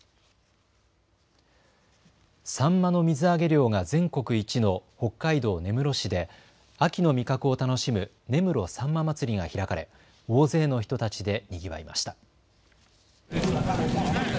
サンマの水揚げ量が全国一の北海道根室市で秋の味覚を楽しむ根室さんま祭りが開かれ大勢の人たちでにぎわいました。